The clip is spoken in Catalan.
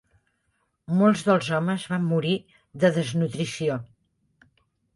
Molts dels homes van morir de desnutrició.